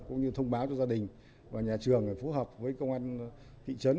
cũng như thông báo cho gia đình và nhà trường phù hợp với công an thị trấn